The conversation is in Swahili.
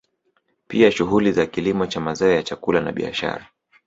Pia shughuli za kilimo cha mazao ya chakula na biashara